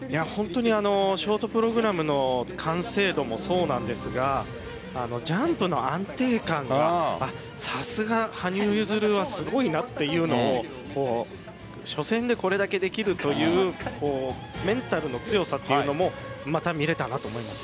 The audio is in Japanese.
ショートプログラムの完成度もそうなんですがジャンプの安定感がさすが羽生結弦はすごいなというのを初戦でこれだけできるというメンタルの強さというのもまた見れたなと思います。